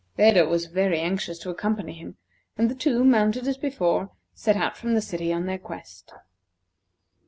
Phedo was very anxious to accompany him, and the two, mounted as before, set out from the city on their quest.